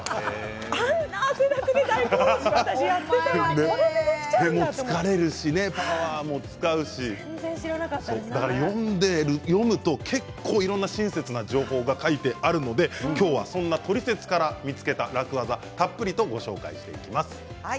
あんなに汗だくで大根おろし手も疲れるしパワーも使うし読むと結構いろいろと親切な情報が書いてあるので今日はそんなトリセツから見つけた楽ワザたっぷりとご紹介していきます。